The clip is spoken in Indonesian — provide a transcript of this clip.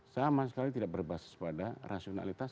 sama sekali tidak berbasis pada rasionalitas